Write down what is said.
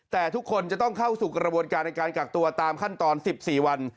แต่ทุกคนจะต้องเข้าสู่กระบวนการในการกักตัวตามขั้นตอน๑๔วัน